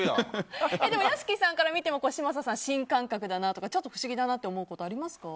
屋敷さんから見ても嶋佐さん、新感覚だなとかちょっと不思議だなと思うことありますか？